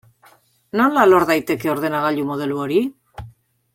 Nola lor daiteke ordenagailu modelo hori?